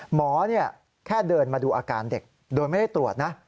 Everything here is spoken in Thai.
หมอแค่เดินมาดูอาการเด็กโดยไม่ได้ตรวจนะ